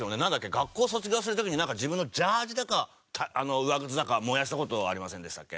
学校卒業する時になんか自分のジャージだか上靴だか燃やした事ありませんでしたっけ？